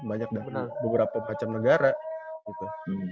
banyak dah beberapa macam negara gitu